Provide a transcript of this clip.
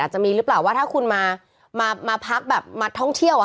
จะมีหรือเปล่าว่าถ้าคุณมาพักแบบมาท่องเที่ยว